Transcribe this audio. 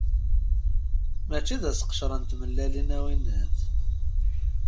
Mačči d aseqcer n tmellalin, a winnat.